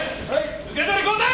受け取り交代！